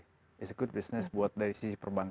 it's good business buat dari sisi perbankan